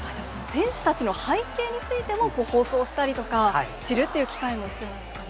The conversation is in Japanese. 選手たちの背景についても、放送したりとか、知るっていう機会も必要なんですかね。